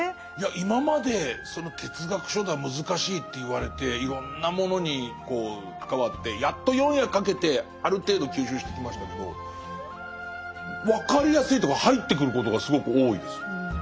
今まで哲学書だ難しいって言われていろんなものに関わってやっと４夜かけてある程度吸収してきましたけど分かりやすいというか入ってくることがすごく多いです。